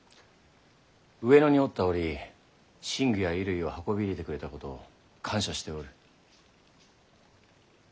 上野におった折寝具や衣類を運び入れてくれたこと感謝しておる。